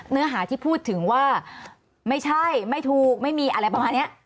เนื้อหาที่พูดถึงว่าไม่ใช่ไม่ถูกไม่มีอะไรประมาณนี้